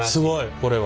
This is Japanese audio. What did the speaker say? これは。